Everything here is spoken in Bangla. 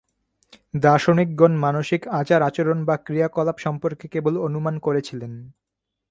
দার্শনিকগণ মানসিক আচার-আচরণ বা ক্রিয়া-কলাপ সম্পর্কে কেবল অনুমান করেছিলেন।